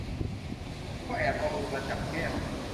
ก็แอบเอามือมาจับแก้ม